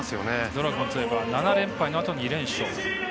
ドラゴンズ７連敗のあと２連勝。